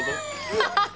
ハハハハ！